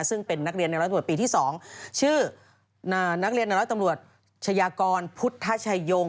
ซึ่งเป็นนักเรียนในร้อยตำรวจปีที่๒ชื่อนักเรียนในร้อยตำรวจชายากรพุทธชายง